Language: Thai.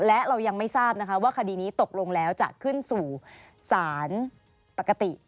และเรายังไม่ทราบนะคะว่าคดีนี้ตกลงแล้วจะขึ้นสู่ศาลปกติ